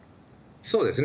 そうですね。